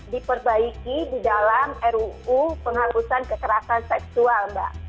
diperbaiki di dalam ruu penghalusan kekerasan seksual mbak